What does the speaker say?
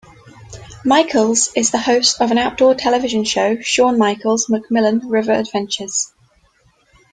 Michaels is the host of the outdoor television show, "Shawn Michaels' MacMillan River Adventures".